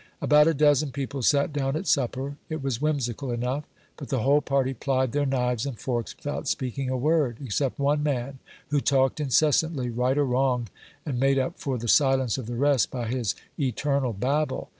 About a dozen people sat down at supper. It was whimsical enough ; but the whole party plied their knives and forks without speaking a word, ex cept one man, who talked incessantly, right or wrong, and made up for the silence of the rest by his eternal babble.